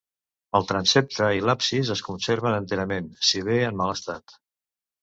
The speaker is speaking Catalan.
El transsepte i l'absis es conserven enterament, si bé en mal estat.